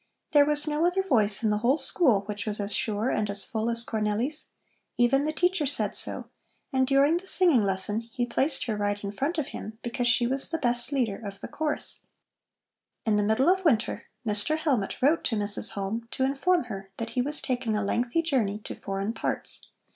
There was no other voice in the whole school which was as sure and as full as Cornelli's. Even the teacher said so, and during the singing lesson he placed her right in front of him, because she was the best leader of the chorus. In the middle of winter Mr. Hellmut wrote to Mrs. Halm to inform her that he was taking a lengthy journey to foreign parts.